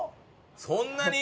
そんなに？